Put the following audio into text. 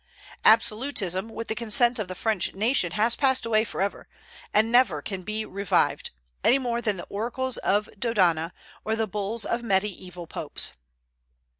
Absolutism with the consent of the French nation has passed away forever, and never can be revived, any more than the oracles of Dodona or the bulls of Mediaeval popes.